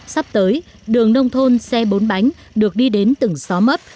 sắp tới đường nông thôn xe bốn bánh được đi đến từng xóm mấp